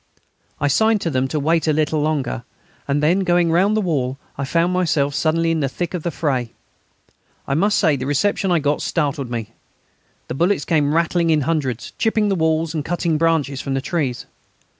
I signed to them to wait a little longer, and then going round the wall I found myself suddenly in the thick of the fray. I must say the reception I got startled me. The bullets came rattling in hundreds, chipping the walls and cutting branches from the trees.